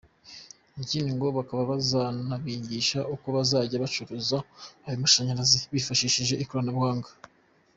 Ikindi ngo bakaba bazanabigisha uko bazajya bacuruza ayo mashanyarazi bifashishije ikoranabuhanga.